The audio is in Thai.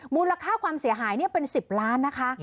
มูลค่าความเสียหายตั้งจุดค่าเป็น๑๐ล้านบาทนะคะ